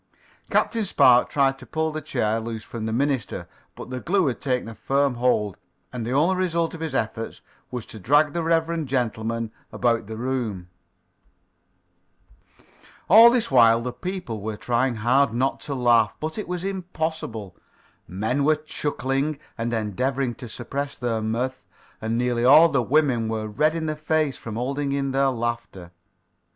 Captain Spark tried to pull the chair loose from the minister, but the glue had taken a firm hold, and the only result of his efforts was to drag the reverend gentleman about the room. [Illustration: "Captain Spark tried to pull the chair loose."] All this while the people were trying hard not to laugh. But it was impossible. Men were chuckling and endeavoring to suppress their mirth, and nearly all the women were red in the face from holding in their laughter.